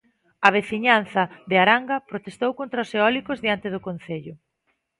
A veciñanza de Aranga protestou contra os eólicos diante do Concello.